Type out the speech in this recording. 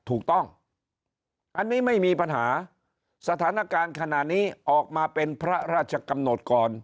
ถูกต้องอันนี้ไม่มีปัญหาสถานการณ์ขณะนี้ออกมาเป็นพระราชกำหนดก่อน